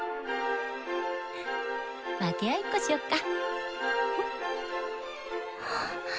分け合いっこしよっか。